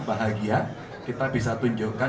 bahagia kita bisa tunjukkan